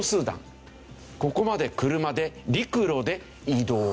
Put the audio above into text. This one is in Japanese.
ここまで車で陸路で移動した。